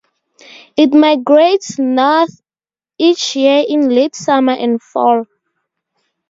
It migrates north each year in late summer and fall.